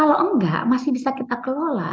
kalau enggak masih bisa kita kelola